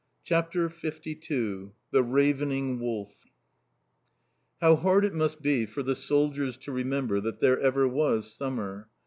CHAPTER LII THE RAVENING WOLF How hard it must be for the soldiers to remember chat there ever was Summer!